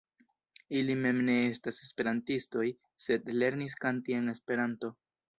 Ili mem ne estas Esperantistoj, sed lernis kanti en Esperanto.